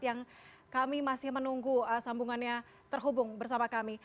yang kami masih menunggu sambungannya terhubung bersama kami